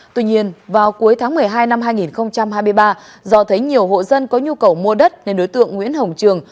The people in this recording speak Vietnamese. tuy nhiên vào cuối tháng một mươi hai năm hai nghìn hai mươi ba do thấy nhiều hộ dân có nhu cầu mua đất nên đối tượng nguyễn hồng trường